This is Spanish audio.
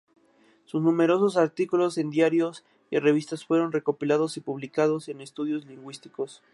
Sus numerosos artículos en diarios y revistas fueron recopilados y publicados en "Estudios lingüísticos.